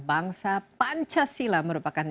bangsa pancasila merupakan